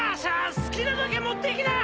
好きなだけ持っていきな！